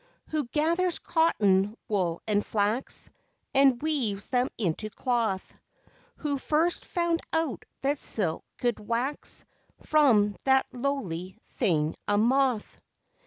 50 LIFE WAVES Who gathers cotton, wool and flax, And weaves them into cloth, • Who first found out that silk could wax From that lowly thing, a moth?